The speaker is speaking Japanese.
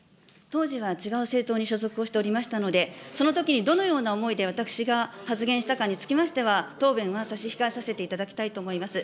当時は違う政党に所属をしておりましたので、そのときにどのような思いで私が発言したかにつきましては、答弁は差し控えさせていただきたいと思います。